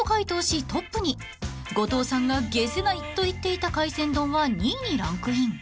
［後藤さんが解せないと言っていた海鮮丼は２位にランクイン］